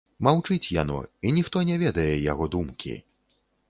Маўчыць яно, і ніхто не ведае яго думкі.